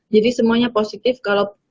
jadi semuanya positif kalau